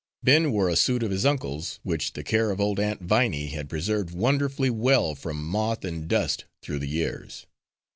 Ben wore a suit of his uncle's, which the care of old Aunt Viney had preserved wonderfully well from moth and dust through the years.